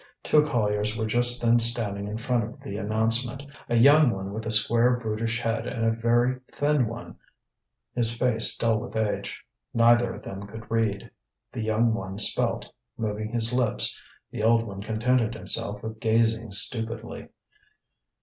Two colliers were just then standing in front of the announcement, a young one with a square brutish head and a very thin old one, his face dull with age. Neither of them could read; the young one spelt, moving his lips, the old one contented himself with gazing stupidly.